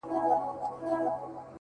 د پلټني سندرماره شـاپـيـرۍ يــارانــو،